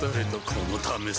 このためさ